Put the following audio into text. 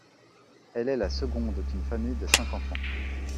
Elle est la seconde d'une famille de cinq enfants.